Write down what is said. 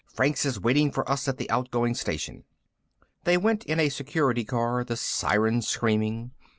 "Franks is waiting for us at the outgoing station." They went in a Security Car, the siren screaming.